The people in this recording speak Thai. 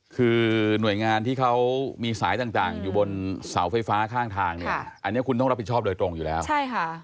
คือหน่วยงานที่เขามีสายต่างอยู่บนเสาไฟฟ้าข้างทางเนี่ยอันนี้คุณต้องรับผิดชอบโดยตรงอยู่แล้วใช่ค่ะ